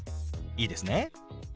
いいですね？